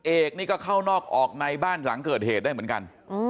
เอกนี่ก็เข้านอกออกในบ้านหลังเกิดเหตุได้เหมือนกัน